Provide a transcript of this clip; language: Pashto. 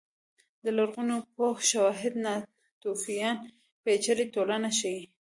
د لرغونپوهنې شواهد ناتوفیان پېچلې ټولنه ښيي.